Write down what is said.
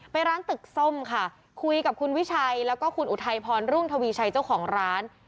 ร้านตึกส้มค่ะคุยกับคุณวิชัยแล้วก็คุณอุทัยพรรุ่งทวีชัยเจ้าของร้าน